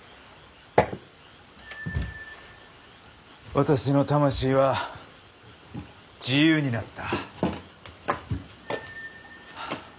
私の魂は自由になった。